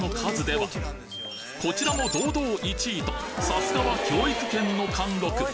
こちらも堂々１位とさすがは教育県の貫禄！